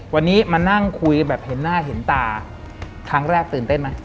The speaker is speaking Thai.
วันนี้มานั่งคุยแบบเห็นหน้าเห็นตาครั้งแรกตื่นเต้นไหม